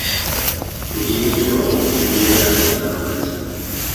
Tulya nnyo ebyennyanja n'amagi.